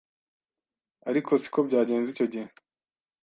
ariko siko byagenze icyo gihe